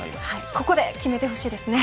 ここで決めてほしいですね。